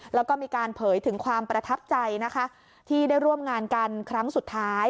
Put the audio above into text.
แล้วก็มีการเผยถึงความประทับใจนะคะที่ได้ร่วมงานกันครั้งสุดท้าย